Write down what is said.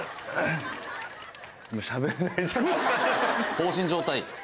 放心状態。